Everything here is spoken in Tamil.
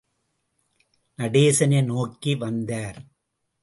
நடேசனை நோக்கி வந்தார்.